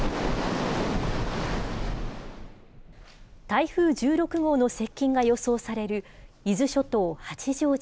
台風１６号の接近が予想される、伊豆諸島・八丈島。